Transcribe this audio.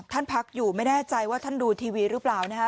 พักอยู่ไม่แน่ใจว่าท่านดูทีวีหรือเปล่านะฮะ